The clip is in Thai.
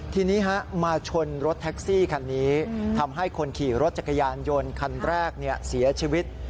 ทีนี้มาชนรถแท็กซี่คันนี้ทำให้คนขี่รถจักรยานยนต์คันแรกเสียชีวิต